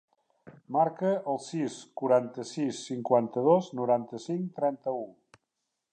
Marca el sis, quaranta-sis, cinquanta-dos, noranta-cinc, trenta-u.